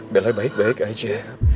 bella baik baik aja